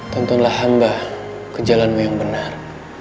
tontonlah hamba ke jalanmu yang benar